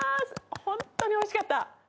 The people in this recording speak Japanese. ホントにおいしかった！